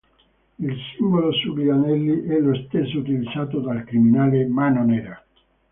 Il simbolo sugli anelli è lo stesso utilizzato dal criminale Mano Nera.